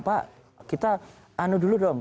pak kita anu dulu dong